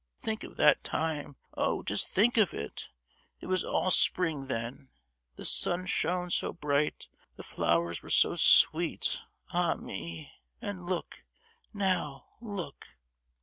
Think of that time—oh, just think of it! it was all spring then, the sun shone so bright, the flowers were so sweet, ah me! and look, now—look!"